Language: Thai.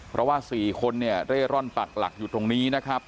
เพราะว่า๔คนเนี่ยเร่ร่อนปักหลักอยู่ตรงนี้นะครับ